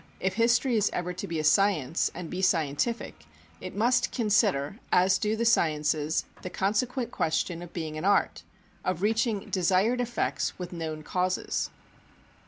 If history is ever to be a science and be scientific, it must consider, as do the sciences, the consequent question of being an art of reaching desired effects with known causes.